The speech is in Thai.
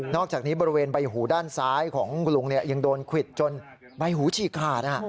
อกจากนี้บริเวณใบหูด้านซ้ายของคุณลุงยังโดนควิดจนใบหูฉีกขาด